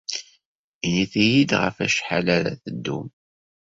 Init-iyi-d ɣef wacḥal ara teddum.